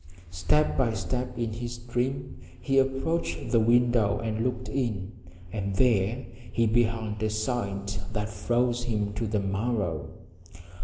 Step by step in his dream he approached the window and looked in. And there he beheld a sight that froze him to the marrow.